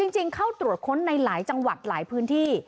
จริงเข้าตรวจค้นในหลายจังหวัดหลายพื้นที่